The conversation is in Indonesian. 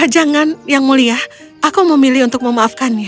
jangan yang mulia aku memilih untuk memaafkannya